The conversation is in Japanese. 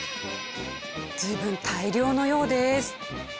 随分大漁のようです。